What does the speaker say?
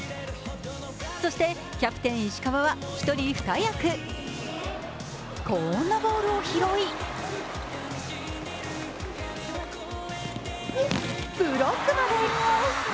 そしてキャプテン・石川は一人二役、こんなボールを拾いブロックまで！